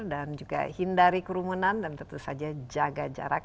dan juga hindari kerumunan dan tentu saja jaga jarak